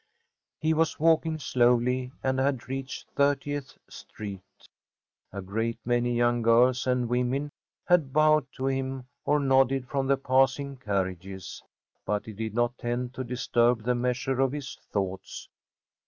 He was walking slowly, and had reached Thirtieth Street. A great many young girls and women had bowed to him or nodded from the passing carriages, but it did not tend to disturb the measure of his thoughts.